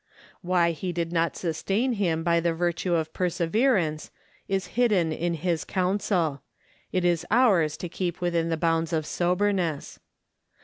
Why he did not sustain him by the virtue of perseverance is hidden in his counsel; it is ours to keep within the bounds of soberness.